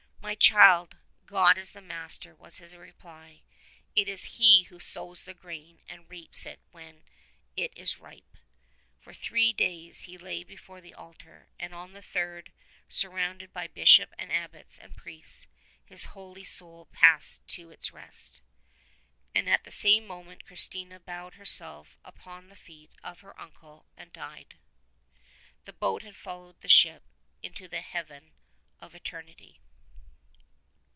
^'My child, God is the master," was his reply. "It is He who sows the grain and reaps it when it is ripe." For three days he lay before the altar, and on the third, surrounded by Bishop and abbots and priests, his holy soul passed to its rest. And at the same moment Kristina bowed herself upon the feet of her uncle and died. The boat had followed the ship into the Haven of Eternity.